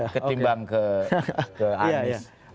ketimbang ke anies